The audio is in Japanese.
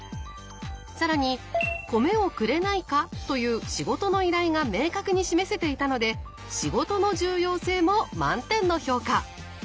更に「米をくれないか？」という仕事の依頼が明確に示せていたので「仕事の重要性」も満点の評価。